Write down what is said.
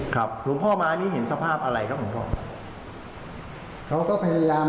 ครับหลวงพ่อไม้มีเห็นสภาพอะไรครับหลวงพ่อ